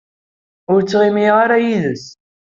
Ur ttɣimiɣ ara yid-s.